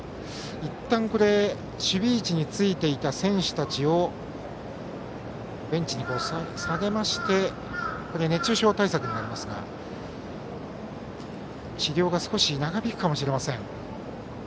いったん守備位置についていた選手たちをベンチに下げまして熱中症対策になりますが治療が少し長引くかもしれません。